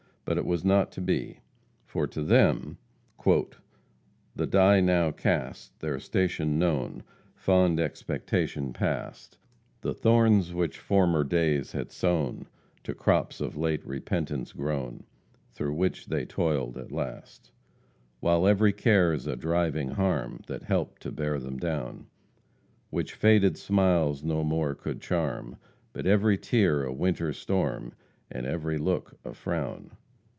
But it was not to be. For to them "The die now cast, their station known, Fond expectation past; The thorns which former days had sown, To crops of late repentance grown, Through which they toil'd at last; While every care's a driving harm, That helped to bear them down; Which faded smiles no more could charm, But every tear a winter storm, And every look a frown."